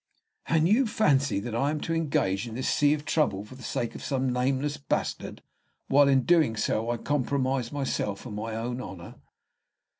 "And you fancy that I am to engage in this sea of trouble for the sake of some nameless bastard, while in doing so I compromise myself and my own honor?"